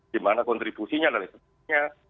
di mana kontribusinya dan lain sebagainya